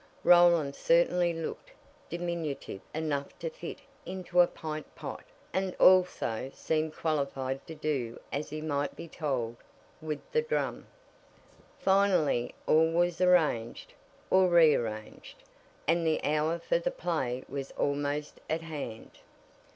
Roland certainly looked diminutive enough to fit into a pint pot, and also seemed qualified to do as he might be told with the drum. Finally all was arranged, or rearranged, and the hour for the play was almost at hand.